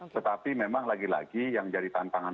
tetapi memang lagi lagi yang jadi tantangan